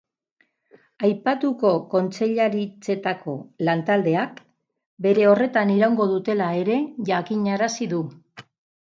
Aipatuko kontseilaritzetako lan-taldeak bere horretan iraungo dutela ere jakinarazi du.